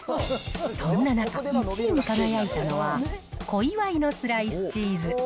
そんな中、１位に輝いたのは、小岩井のスライスチーズ。